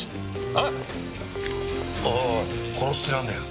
おおおい殺しってなんだよ？